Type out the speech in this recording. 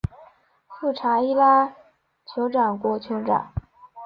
富查伊拉酋长国酋长